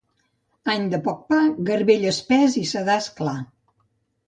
Any de poc pa, garbell espès i sedàs clar.